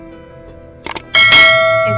ini udah berapa